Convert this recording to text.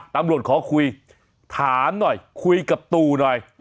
ตำรวจขอคุยถามหน่อยคุยกับตู่หน่อย